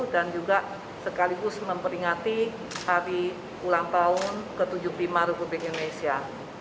dan juga sekaligus memperingati hari ulang tahun ke tujuh puluh lima republik indonesia